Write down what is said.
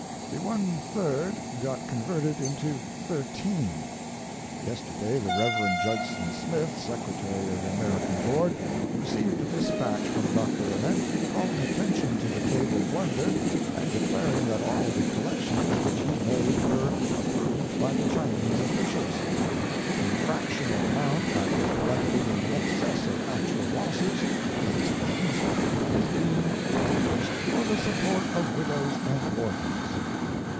The l 3d got converted into 13. Yesterday the Rev. Judson Smith, Secretary of the American Board, received a dispatch from Dr. Ament, calling attention to the cable blunder, and declaring that all the collections which he made were approved by the Chinese officials. The fractional amount that was collected in excess of actual losses, he explains, is being used for the support of widows and orphans.